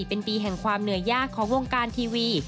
เป็นปีแห่งความเหนื่อยยากของวงการทีวี